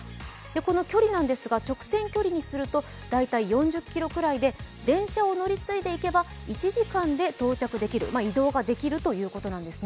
この距離なんですが、直線距離にすると大体４０ｋｍぐらいで電車を乗り継いでいけば１時間で到着できる移動ができるということなんですね。